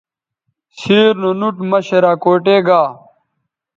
سیر نو نُوٹ مہ شراکوٹے گا